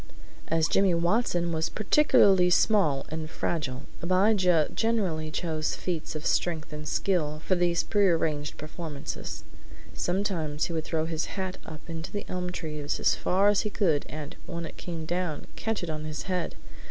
As Jimmy Watson was particularly small and fragile, Abijah generally chose feats of strength and skill for these prearranged performances. Sometimes he would throw his hat up into the elm trees as far as he could and, when it came down, catch it on his head.